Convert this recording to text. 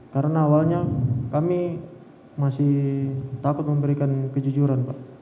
karena awalnya kami masih takut memberikan kejujuran pak